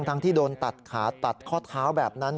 ทั้งที่โดนตัดขาตัดข้อเท้าแบบนั้น